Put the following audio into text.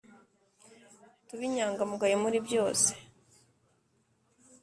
tube inyangamugayo muri byose